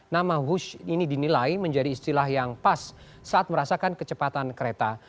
nama hush ini dinilai menjadi istilah yang pas saat merasakan kecepatan kereta